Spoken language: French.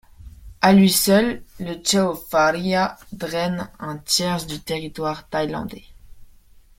À lui seul, le Chao Phraya draine un tiers du territoire thaïlandais.